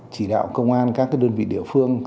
chỉ đạo công an các đơn vị địa phương